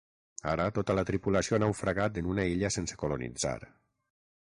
Ara tota la tripulació ha naufragat en una illa sense colonitzar.